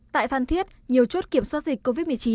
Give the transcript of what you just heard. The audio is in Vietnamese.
tại phan thiết nhiều chốt kiểm soát dịch covid một mươi chín